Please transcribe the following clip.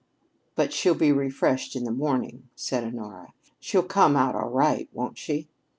"But she'll be refreshed in the morning," said Honora. "She'll come out all right, won't she?"